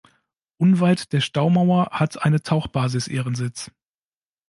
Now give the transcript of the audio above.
Unweit der Staumauer hat eine Tauchbasis ihren Sitz.